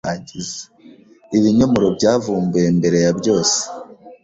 Ibinyomoro byavumbuwe mbere ya byose